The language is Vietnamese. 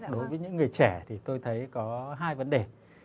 đối với những người trẻ thì tôi thấy có hai vấn đề